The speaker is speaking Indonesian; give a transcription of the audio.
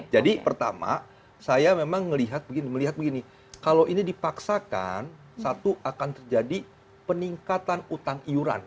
jadi pertama saya memang melihat begini kalau ini dipaksakan satu akan terjadi peningkatan utang iuran